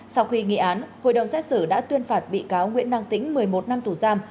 sau khi nghị án hội đồng xét xử đã tuyên phạt bị cáo nguyễn đăng tĩnh một mươi một năm tù giam